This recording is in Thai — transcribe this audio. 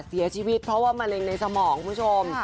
เสียชีวิตเพราะว่ามะเร็งในสมองคุณผู้ชม